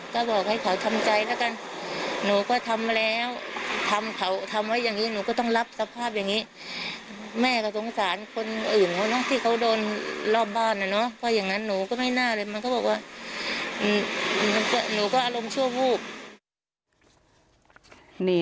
ก็บอกให้เขาทำใจแล้วกันหนูก็ทำแล้วทำเขาทำไว้อย่างงี้หนูก็ต้องรับสภาพอย่างงี้